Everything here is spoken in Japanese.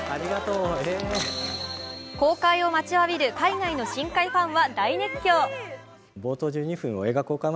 公開を待ちわびる海外の新海ファンは大熱狂。